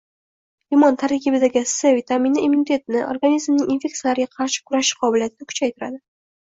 Limon tarkibidagi S vitamini immunitetni, organizmning infeksiyalarga qarshi kurashish qobiliyatini kuchaytiradi.